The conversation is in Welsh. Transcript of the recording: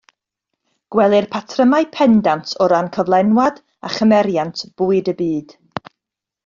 Gwelir patrymau pendant o ran cyflenwad a chymeriant bwyd y byd